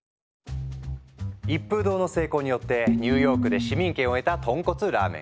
一風堂の成功によってニューヨークで市民権を得た豚骨ラーメン。